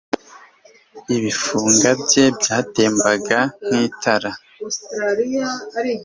Ibifunga bye byatembaga nkitara